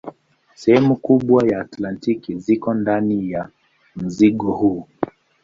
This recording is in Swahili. Sehemu kubwa ya Antaktiki ziko ndani ya mzingo huu.